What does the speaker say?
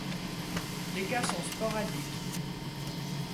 Les cas sont sporadiques.